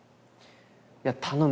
「いや頼む。